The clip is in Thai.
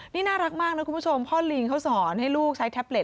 นี่น่ารักมากนะคุณผู้ชมพ่อลิงเขาสอนให้ลูกใช้แท็บเล็